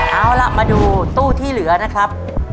เอาล่ะมาดูตู้ที่เหลือนะครับ